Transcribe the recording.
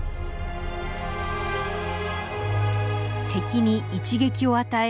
敵に一撃を与え